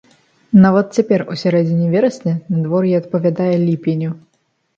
Нават цяпер, у сярэдзіне верасня, надвор'е адпавядае ліпеню.